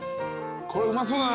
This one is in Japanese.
これうまそうだな。